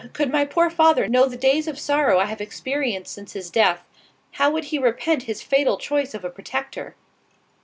could my poor father know the days of sorrow I have experienced since his death, how would he repent his fatal choice of a protector!"